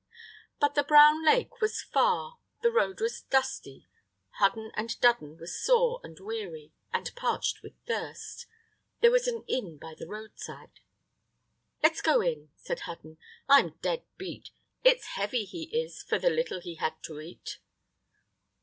But the Brown Lake was far, the road was dusty, Hudden and Dudden were sore and weary, and parched with thirst. There was an inn by the roadside. "Let's go in," said Hudden; "I'm dead beat. It's heavy he is for the little he had to eat."